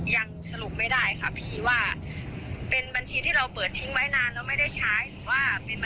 ยังสรุปไม่ได้ค่ะพี่เป็นบัญชีทิ้งนานแล้วไม่ใช้